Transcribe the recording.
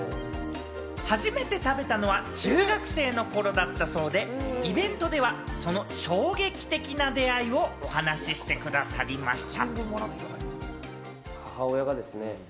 初めて食べたのは中学生の頃だったそうで、イベントでは、その衝撃的な出会いをお話してくださいました。